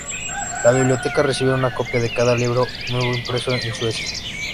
La biblioteca recibe una copia de cada libro nuevo impreso en Suecia.